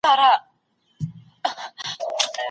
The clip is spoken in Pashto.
اسونه د ښکلو زین پوښونو سره سپاره ول.